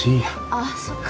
あっそっか。